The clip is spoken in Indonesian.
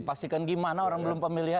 pastikan gimana orang belum pemilihnya